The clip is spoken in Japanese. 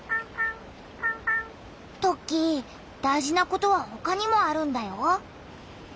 トッキー大事なことはほかにもあるんだよ。